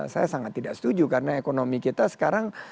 saya sangat tidak setuju karena ekonomi kita sekarang